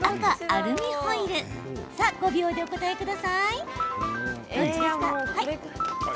５秒でお答えください！